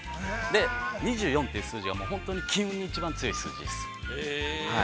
で、２４という数字は本当に金運に一番強い数字です。